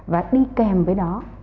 và đi kèm với đó